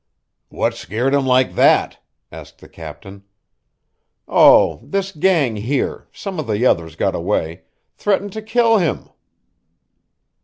"What scared him like that?" asked the captain. "Oh, this gang here some of the others got away threatened to kill him."